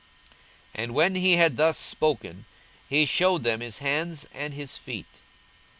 42:024:040 And when he had thus spoken, he shewed them his hands and his feet.